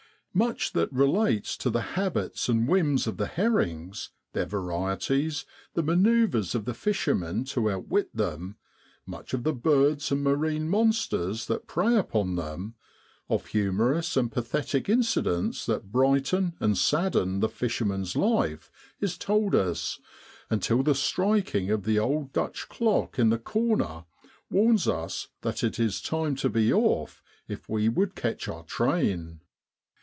Ha! Ha!' Much that relates to the habits and whims of the herrings, their varieties, the manoeuvres of the fishermen to outwit them, much of the birds and marine monsters that prey upon them, of humorous and pathetic incidents that brighten and sadden the fisherman's life, is told us, until the striking of the old Dutch clock in the corner warns us that it is time to be off if we would catch our train.